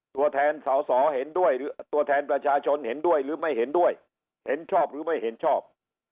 ตัวแทนประชาชนเห็นด้วยหรือไม่เห็นด้วยเห็นชอบหรือไม่เห็นชอบ